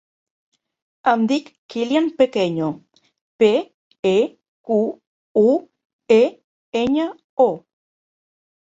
Em dic Kilian Pequeño: pe, e, cu, u, e, enya, o.